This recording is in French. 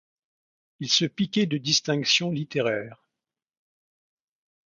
Il se piquait de distinction littéraire.